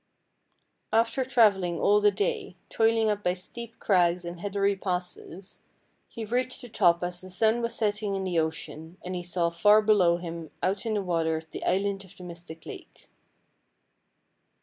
After traveling all the day, toiling up by steep crags and heathery passes, he reached the top as the sun was setting in the ocean, and he saw far below him out in the waters the island of the Mystic Lake.